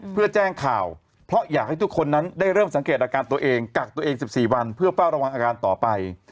เพื่อแจ้งข่าวเพราะอยากให้ทุกคนนั้นได้เริ่มสังเกตอาการตัวเองกักตัวเอง๑๔วันเพื่อเฝ้าระวังอาการต่อไป